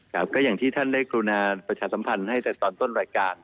ครับก็อย่างที่ท่านได้กรุณาประชาสัมพันธ์ให้แต่ตอนต้นรายการ